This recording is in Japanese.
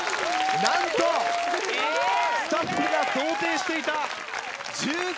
なんとスタッフが想定していた１３ｍ。